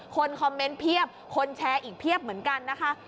คนคอมเมนต์เพียบคนแชร์อีกเพียบเหมือนกันนะคะ